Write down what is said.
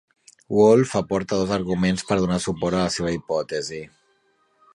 Woolf aporta dos arguments per donar suport a la seva hipòtesi.